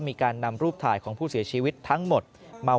มีการนำรูปถ่ายของผู้เสียชีวิตทั้งหมดมา